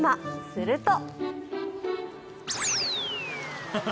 すると。